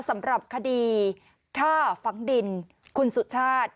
สำหรับคดีฆ่าฝังดินคุณสุชาติ